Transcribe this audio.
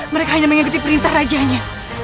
mereka hanya mengikuti perintah rajanya